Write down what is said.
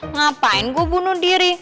ngapain gue bunuh diri